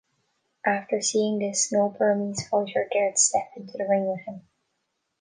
After seeing this, no Burmese fighter dared step into the ring with him.